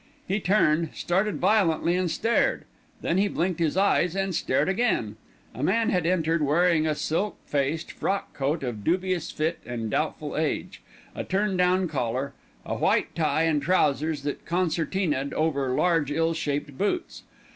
He turned, started violently and stared. Then he blinked his eyes and stared again. A man had entered wearing a silk faced frock coat of dubious fit and doubtful age, a turn down collar, a white tie and trousers that concertinaed over large ill shaped boots.